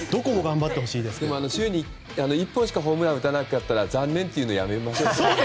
週に１本しかホームランを打たなかったら残念って言うのやめませんか。